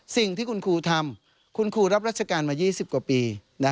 สิ่งที่คุณครูทำคุณครูรับราชการมา๒๐กว่าปี